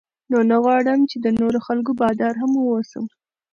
نو نه غواړم چې د نورو خلکو بادار هم واوسم.